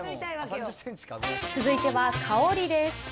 続いては香りです。